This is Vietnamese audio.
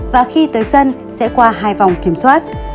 và khi tới sân sẽ qua hai vòng kiểm soát